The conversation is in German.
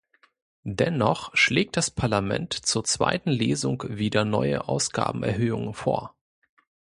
Dennoch schlägt das Parlament zur zweiten Lesung wieder neue Ausgabenerhöhungen vor.